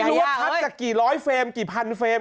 ไม่รู้ปัชกับกี่ร้อยเฟรมไม่รู้พันเฟรม